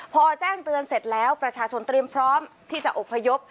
พอแจ้งเตือนเสร็จแล้วประชาชนเตรียมพร้อมที่จะอบพยพ